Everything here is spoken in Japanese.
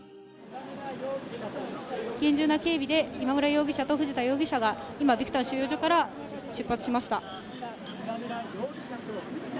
厳重な警備で、今村容疑者と藤田容疑者が今、ビクタン収容所から出発しました。